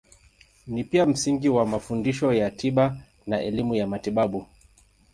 Ni pia msingi wa mafundisho ya tiba na elimu ya matibabu.